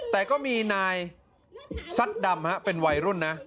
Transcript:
แต่ก็มีนายซัดดำเป็นวัยรุ่นนะ